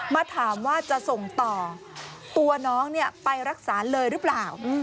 มาถามว่าจะส่งต่อตัวน้องไปรักษาเลยหรือเปล่า